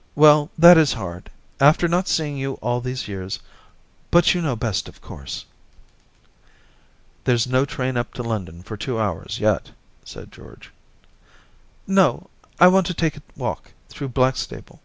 * Well, that is hard. After not seeing you all these years. But you know best, of course !' There's no train up to London for two hours yet,' said George. ' No ; I want to take a walk through Black stable.'